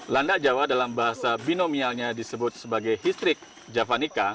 landak jawa dalam bahasa binomialnya disebut sebagai histrik javanica